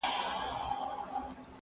ميوې د زهشوم له خوا خوړل کيږي!.